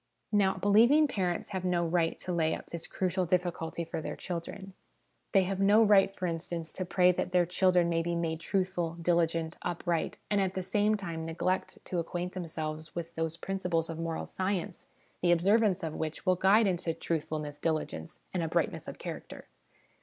Now, believing parents have no right to lay up this crucial difficulty for their children. They have no right, for instance, to pray that their children may be made truthful, diligent, upright, and at the same time neglect to acquaint themselves with those principles of moral science the observance of which will guide into truthfulness, diligence, and uprightness of char acter.